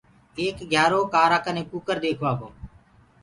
ايڪ گھيآرو ڪآرآ ڪني ڪٚڪَر ديکوآ گو۔